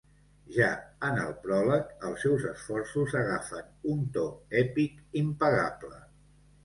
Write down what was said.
Ja en el pròleg els seus esforços agafen un to èpic impagable.